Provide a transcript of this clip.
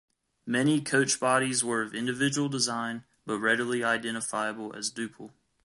Many coach bodies were of individual design, but readily identifiable as Duple.